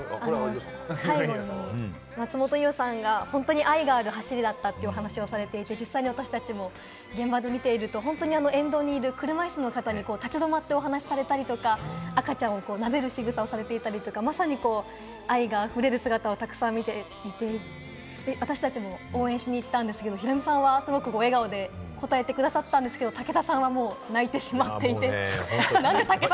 最後の松本伊代さんが本当に愛のある話だったとお話されて、私達も現場で見ていると本当に、沿道にいる車いすの方に立ち止まってお話されたり、赤ちゃんをなでるしぐさをされたり、まさに愛があふれる姿をたくさん見て、私達も応援しに行ったんですけれど、ヒロミさんはすごく笑顔で応えてくださったんですが、武田さんはもう泣いてしまっていて。